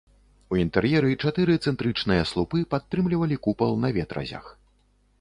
У інтэр'еры чатыры цэнтрычныя слупы падтрымлівалі купал на ветразях.